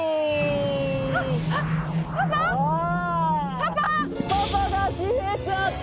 パパが消えちゃった！